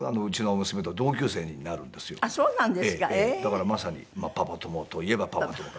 だからまさにパパ友といえばパパ友かなと。